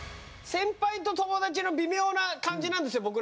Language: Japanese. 先輩と友達の微妙な感じなんですよ。